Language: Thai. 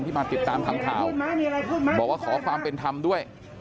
มาติดตามทำข่าวบอกว่าขอความเป็นธรรมด้วย